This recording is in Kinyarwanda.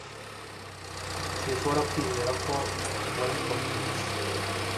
Sinshobora kwizera ko wabikoze gusa